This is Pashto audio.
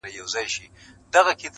• قسمت پردی کړې ښکلې کابله -